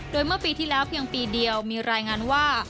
โดยเมื่อปีที่แล้วเพียงปีเดียวมีรายงานว่า